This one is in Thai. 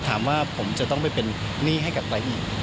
ถามว่าผมจะต้องไปเป็นหนี้ให้กับใครอีก